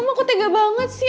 aku tega banget sih